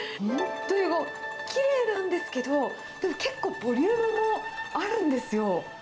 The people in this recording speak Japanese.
本当にきれいなんですけど、でも結構、ボリュームもあるんですよ。